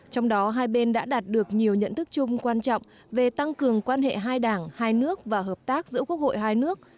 trong đó hai bên đã đạt được nhiều nhận thức chung quan trọng về tăng cường quan hệ hai đảng hai nước và hợp tác giữa quốc hội hai nước